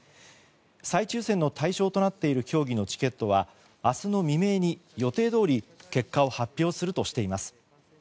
再抽選の対象となっている競技のチケットは明日の未明に予定どおり結果を発表するとしています。